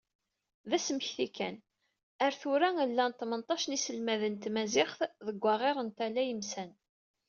D asmekti kan, ar tura llan tmenṭac n yiselmaden n tmaziɣt deg waɣir n Tala Yemsan.